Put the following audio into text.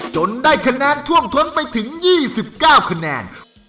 ได้คะแนนท่วมท้นไปถึง๒๙คะแนน